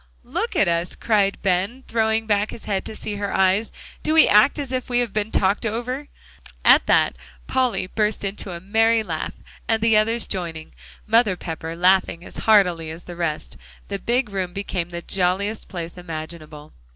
"Look at us," cried Ben, throwing back his head to see her eyes. "Do we act as if we had been talked over?" At that, Polly burst into a merry laugh; and the others joining, Mother Pepper laughing as heartily as the rest, the big room became the jolliest place imaginable.